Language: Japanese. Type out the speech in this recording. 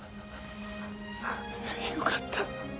よかった！